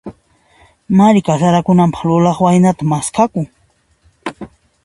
Mari kasarakunanpaq, lulaq waynata maskhakun.